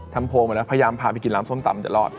โพลมานะพยายามพาไปกินร้านส้มตำจะรอด